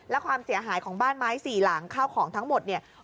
และความเสียหายของบ้านไม้สี่หลังข้าวของทั้งหมดเนี่ย